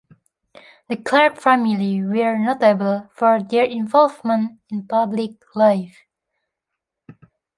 The Clark family were notable for their involvement in public life.